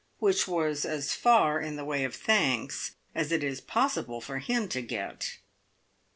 which was as far in the way of thanks as it is possible for him to get.